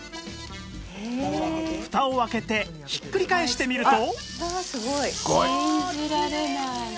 フタを開けてひっくり返してみると